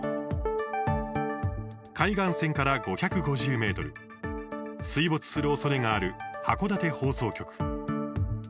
海岸線から５５０ｍ水没するおそれがある函館放送局。